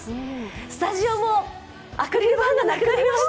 スタジオもアクリル板がなくなりました！